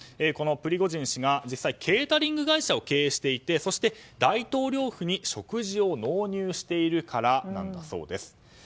このプリゴジン氏が実際にケータリング会社を経営していて、大統領府に食事を納入しているからだそうです。